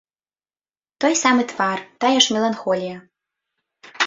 Той самы твар, тая ж меланхолія.